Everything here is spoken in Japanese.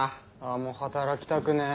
もう働きたくねえ。